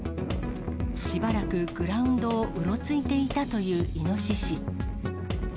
しばらくグラウンドをうろついていたというイノシシ。